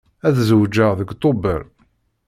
Ad zewǧeɣ deg Tubeṛ.